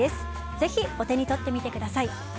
ぜひお手に取ってみてください。